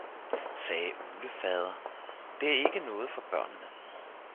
sagde uglefader, det er ikke noget for børnene!